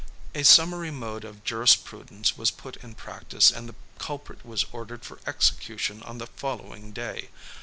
A summary mode of jurisprudence was put in practice, and the culprit was ordered for execution on the following day.